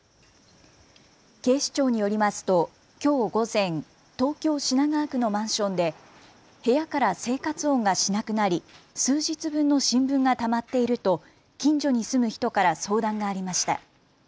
警視庁によりますときょう午前、東京品川区のマンションで部屋から生活音がしなくなり数日分の新聞がたまっていると近所に住む人から相談がありました。